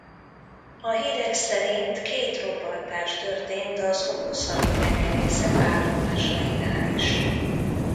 A hírek szerint két robbantás történt az orosz haditengerészet állomásainál is.